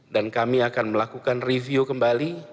dan kami akan melakukan review kembali